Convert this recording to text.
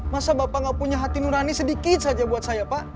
masa bapak gak punya hati nurani sedikit saja buat saya pak